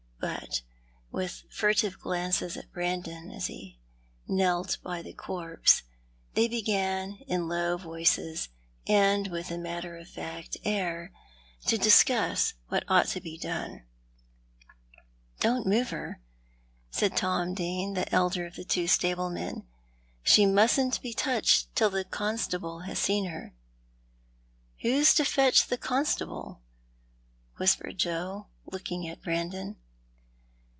But, with furtive glances at Brandon as he knelt by the corpse, they began in low voices, and with a matter of fact air, to discuss what ought to be done. " Don't move her," said Tom Dane, the elder of the two stablemen ;" she mustn't be touched till constable has seen her." " ^Vho's to fetch constable ?" whispered Joe, looking at Brandon.